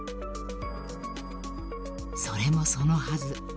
［それもそのはず］